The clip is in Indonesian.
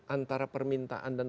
antara permintaan dan